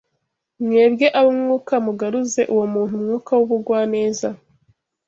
mwebwe ab’Umwuka mugaruze uwo muntu umwuka w’ubugwaneza